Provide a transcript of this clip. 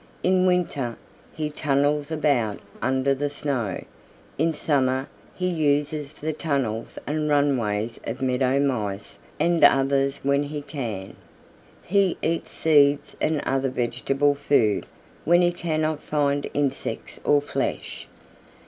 In winter he tunnels about under the snow. In summer he uses the tunnels and runways of Meadow Mice and others when he can. He eats seeds and other vegetable food when he cannot find insects or flesh."